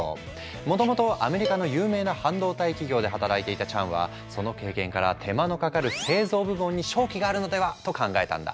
もともとアメリカの有名な半導体企業で働いていたチャンはその経験から手間のかかる製造部門に商機があるのではと考えたんだ。